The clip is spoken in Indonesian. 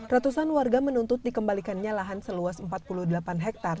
ratusan warga menuntut dikembalikannya lahan seluas empat puluh delapan hektare